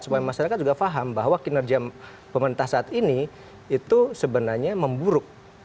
supaya masyarakat juga paham bahwa kinerja pemerintah saat ini itu sebenarnya memburuk